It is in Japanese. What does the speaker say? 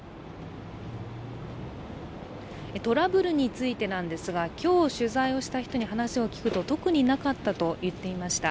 トラブルについてなんですが、今日取材をした人に聞くと、特になかったと言っていました。